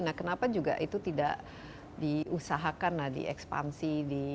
nah kenapa juga itu tidak diusahakan di ekspansi